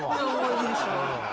いいでしょ？